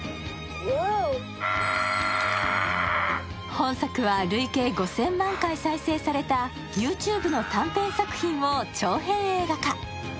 本作は累計５０００万回再生されたＹｏｕＴｕｂｅの短編作品を長編映画化。